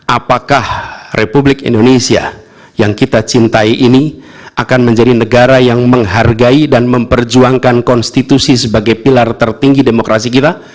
apakah republik indonesia yang kita cintai ini akan menjadi negara yang menghargai dan memperjuangkan konstitusi sebagai pilar tertinggi demokrasi kita